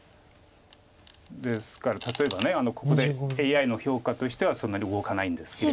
ですから例えばここでＡＩの評価としてはそんなに動かないんですけれども。